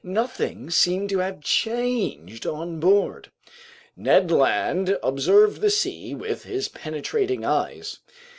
Nothing seemed to have changed on board. Ned Land observed the sea with his penetrating eyes.